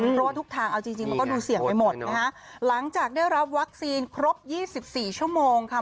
เพราะว่าทุกทางเอาจริงจริงมันก็ดูเสี่ยงไปหมดนะฮะหลังจากได้รับวัคซีนครบ๒๔ชั่วโมงค่ะ